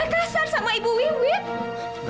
aku enggak akan pakai cincin ini